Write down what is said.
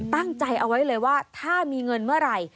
ตั้งใจเอาไว้เลยว่าถ้ามีเงินเมื่อไหร่